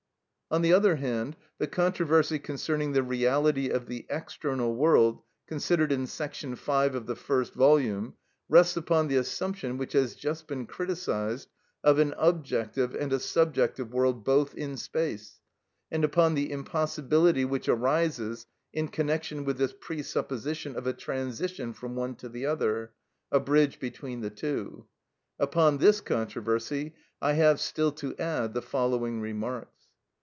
On the other hand, the controversy concerning the reality of the external world considered in § 5 of the first volume rests upon the assumption, which has just been criticised, of an objective and a subjective world both in space, and upon the impossibility which arises in connection with this presupposition of a transition from one to the other, a bridge between the two. Upon this controversy I have still to add the following remarks.